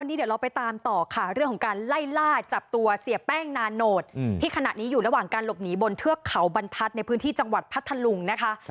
เดี๋ยวเราไปตามต่อค่ะเรื่องของการไล่ล่าจับตัวเสียแป้งนานโหดที่ขณะนี้อยู่ระหว่างการหลบหนีบนเทือกเขาบรรทัศน์ในพื้นที่จังหวัดพัทธลุงนะคะ